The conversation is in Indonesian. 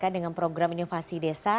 dengan program inovasi desa